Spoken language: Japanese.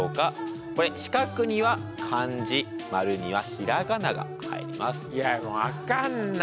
これ四角には漢字丸にはひらがなが入ります。